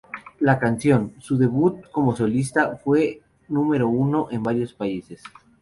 La canción, su debut como solista, fue número uno en varios países.